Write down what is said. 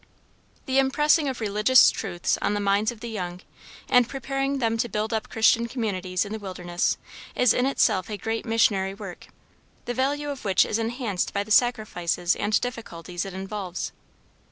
The impressing of religious truth on the minds of the young, and preparing them to build up Christian communities in the wilderness, is in itself a great missionary work, the value of which is enhanced by the sacrifices and difficulties it involves.